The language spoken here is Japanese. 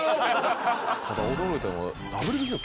ただ驚いたのが。